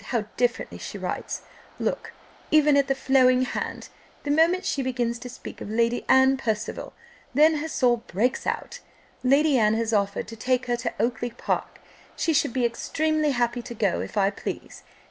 How differently she writes look even at the flowing hand the moment she begins to speak of Lady Anne Percival; then her soul breaks out: 'Lady Anne has offered to take her to Oakly park she should be extremely happy to go, if I please.